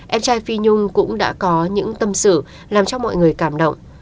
em trai phi nhung cũng đã có những tâm xử làm cho mọi người cảm động